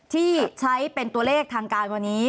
ที่ใช้เป็นตัวเลขทางการวันนี้